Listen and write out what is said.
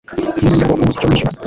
ntuzi se ko ubuze icyo wishyura